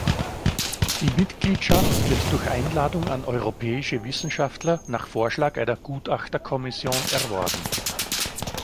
Die Mitgliedschaft wird durch Einladung an europäische Wissenschaftler nach Vorschlag einer Gutachterkommission erworben.